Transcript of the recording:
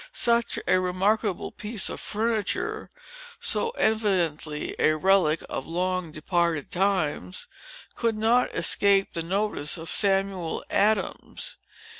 Such a remarkable piece of furniture, so evidently a relic of long departed times, could not escape the notice of Samuel Adams.